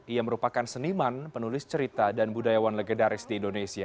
ia merupakan seniman penulis cerita dan budayawan legendaris di indonesia